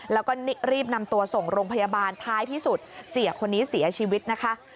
แล้วก็รีบนำตัวส่งโรงพยาบาลท้ายที่สุดเสียคนนี้เสียชีวิตนะคะ